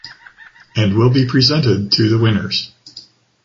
And will be presented to the winners.